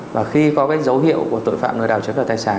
và khi có cái dấu hiệu của tội phạm lừa đảo chứng đoàn tài sản